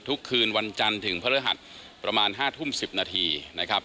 คืนวันจันทร์ถึงพระฤหัสประมาณ๕ทุ่ม๑๐นาทีนะครับ